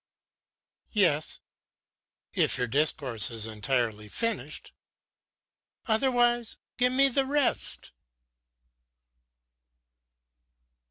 "Yes, if your discourse is entirely finished; otherwise give me the rest."